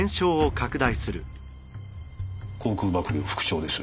航空幕僚副長です。